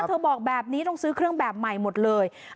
บอกแบบนี้ต้องซื้อเครื่องแบบใหม่หมดเลย